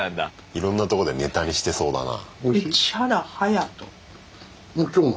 いろんなとこでネタにしてそうだな。